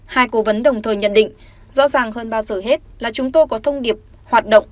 hai cố vấn đồng thời nhận định rõ ràng hơn bao giờ hết là chúng tôi có thông điệp hoạt động